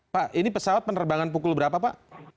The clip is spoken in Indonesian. pak ini pesawat penerbangan pukul berapa pak